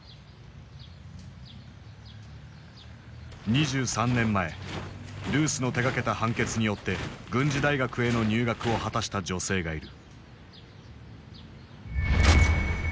２３年前ルースの手がけた判決によって軍事大学への入学を果たした女性がいる。